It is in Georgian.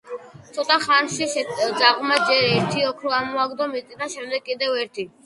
ცოტა ხანში ძაღლმა ჯერ ერთი ოქრო ამოაგდო მიწიდან, შემდეგ კიდევ ერთი.